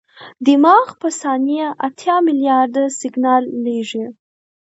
دماغ په ثانیه اتیا ملیارده سیګنال لېږي.